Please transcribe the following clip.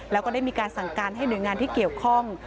แล้วก็ได้มีการสั่งการให้หน่วยงานที่เกี่ยวข้อง